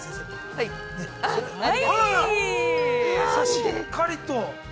◆しっかりと。